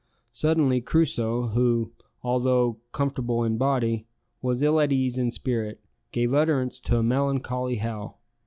Suddenly Crusoe, who, although comfortable in body, was ill at ease in spirit, gave utterance to a melancholy howl.